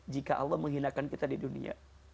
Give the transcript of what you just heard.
jika allah menghinakan kita di dunia